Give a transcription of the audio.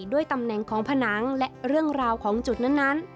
ด้วยตำแหน่งของผนังและเรื่องราวของจุดนั้น